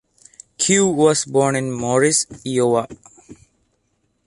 Keough was born in Maurice, Iowa.